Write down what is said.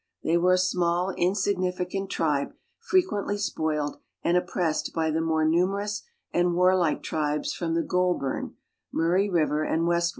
They were a small insignificant tribe, frequently spoiled and oppressed by the more numerous and warlike tribes from the G oulburu, Murray River, and westwar.